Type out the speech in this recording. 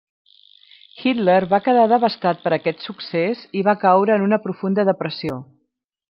Hitler va quedar devastat per aquest succés i va caure en una profunda depressió.